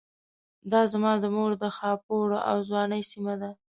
دا زما د مور د خاپوړو او ځوانۍ سيمه ده.